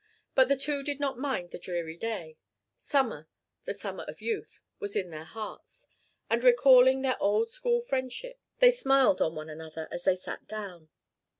But the two did not mind the dreary day. Summer the summer of youth was in their hearts, and, recalling their old school friendship, they smiled on one another as they sat down.